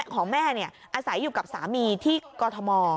ของแม่อาศัยอยู่กับสามีที่กอทม